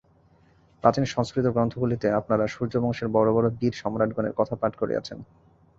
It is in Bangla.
প্রাচীন সংস্কৃত গ্রন্থগুলিতে আপনারা সূর্যবংশের বড় বড় বীর সম্রাটগণের কথা পাঠ করিয়াছেন।